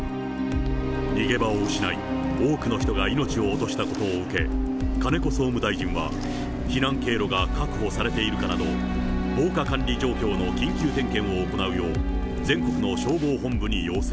逃げ場を失い、多くの人が命を落としたことを受け、金子総務大臣は、避難経路が確保されているかなど、防火管理状況の緊急点検を行うよう、全国の消防本部に要請。